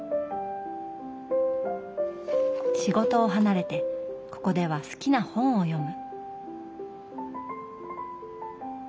仕事を離れてここでは好きな本を読む。